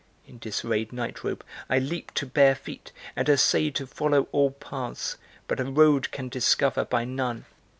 In disarrayed nightrobe I leap to bare feet and essay To follow all paths; but a road can discover by none.